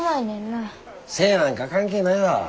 背なんか関係ないわ。